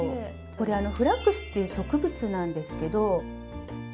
これ「フラックス」っていう植物なんですけど。